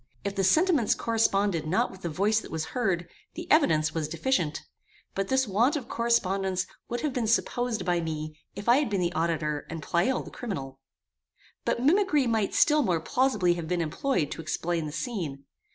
If the sentiments corresponded not with the voice that was heard, the evidence was deficient; but this want of correspondence would have been supposed by me if I had been the auditor and Pleyel the criminal. But mimicry might still more plausibly have been employed to explain the scene.